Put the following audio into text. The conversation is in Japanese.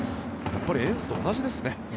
やっぱりエンスと同じですね。